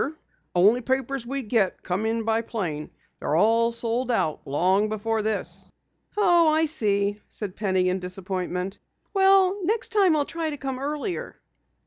The only papers we get come in by plane. They're all sold out long before this." "Oh, I see," said Penny in disappointment, "well, next time I'll try to come earlier."